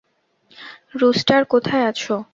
Rooster, কোথায় আছো?